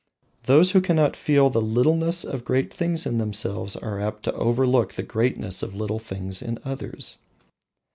Those who cannot feel the littleness of great things in themselves are apt to overlook the greatness of little things in others.